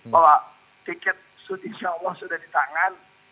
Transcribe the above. bahwa tiket sudah di tangan